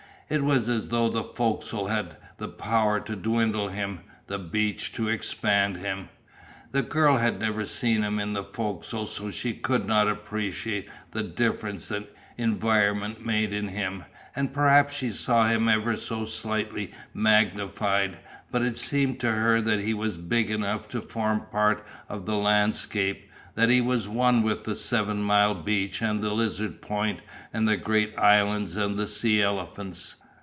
It was as though the fo'c'sle had the power to dwindle him, the beach, to expand him. The girl had never seen him in the fo'c'sle so she could not appreciate the difference that environment made in him, and perhaps she saw him ever so slightly magnified, but it seemed to her that he was big enough to form part of the landscape, that he was one with the seven mile beach and the Lizard Point and the great islands and the sea elephants.